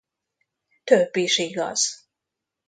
Több is igaz.